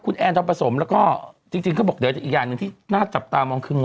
คุณแอนทองผสมแล้วก็จริงเขาบอกเดี๋ยวอีกอย่างหนึ่งที่น่าจับตามองคืองอ